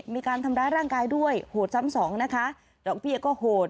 มีการทำร้ายร่างกายด้วยโหดซ้ำสองนะคะดอกเบี้ยก็โหด